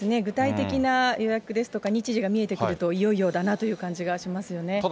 具体的な予約ですとか、日時が見えてくると、いよいよだなという感じがしますよね。